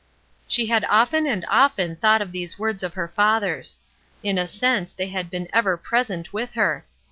She had often and often thought of these words of her father's. In a sense, they had been ever present with her.